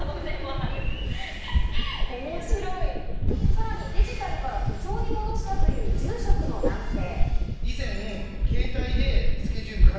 さらにデジタルから手帳に戻したという住職の男性。